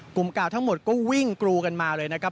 กลุ่มเก่าทั้งหมดก็วิ่งกรูกันมาเลยนะครับ